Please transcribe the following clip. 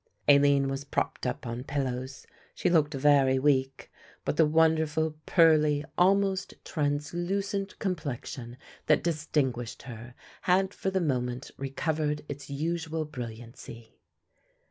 Aline was propped up on pillows; she looked very weak, but the wonderful pearly, almost translucent, complexion that distinguished her had for the moment recovered its usual brilliancy.